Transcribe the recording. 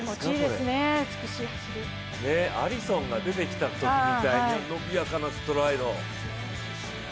アリソンが出てきたときみたいに伸びやかなストライド。